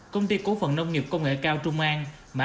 công ty cổ phần nông nghiệp công nghệ cao trung an